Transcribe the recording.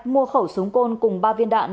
mua khẩu súng côn cùng ba viên đạn